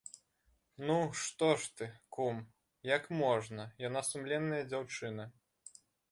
Ну, што ж ты, кум, як можна, яна сумленная дзяўчына.